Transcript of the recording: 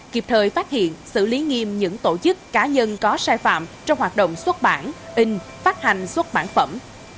kịp thời phát hiện xử lý nghiêm những tổ chức cá nhân có sai phạm trong hoạt động xuất bản in phát hành xuất bản phẩm